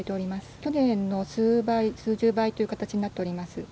去年の数倍、数十倍という形になっております。